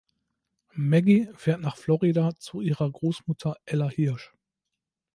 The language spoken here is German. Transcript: Maggie fährt nach Florida zu ihrer Großmutter Ella Hirsch.